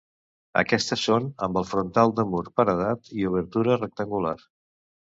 Aquestes són amb el frontal de mur paredat i obertura rectangular.